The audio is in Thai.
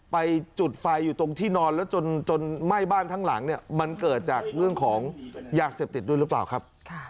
ไปจุดไฟอยู่ตรงที่นอนแล้วจนไหม้บ้านทั้งหลังเนี่ยมันเกิดจากเรื่องของยาเสพติดด้วยหรือเปล่าครับ